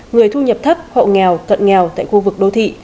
người thu nhập thấp hậu nghèo tận nghèo tại khu vực đô thị